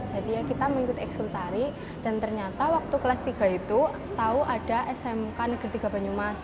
jadi kita mengikut ekskul tari dan ternyata waktu kelas tiga itu tahu ada smk negeri tiga banyumas